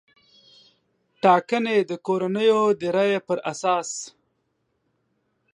ټاګنې د کورنیو د رایې پر اساس